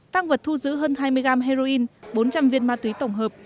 tăng vật thu giữ hơn hai mươi gram heroin bốn trăm linh viên ma túy tổng hợp